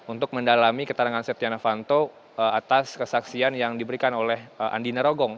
untuk mendalami keterangan setia novanto atas kesaksian yang diberikan oleh andi narogong